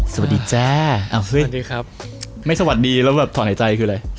สวัสดีจ้าสวัสดีครับไม่สวัสดีแล้วแบบถอนหายใจคืออะไร